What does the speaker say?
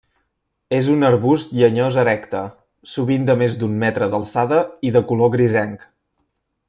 És un arbust llenyós erecte, sovint de més d'un metre d'alçada i de color grisenc.